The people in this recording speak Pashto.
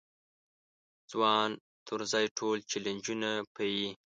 ځوان طرزی ټول چلنجونه پېيي.